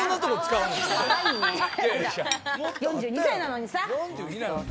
４２歳なのにさ。